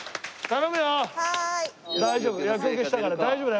大丈夫。